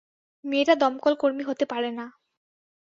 মেয়েরা দমকলকর্মী হতে পারে না।